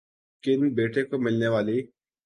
کن بیٹے کو ملنے والی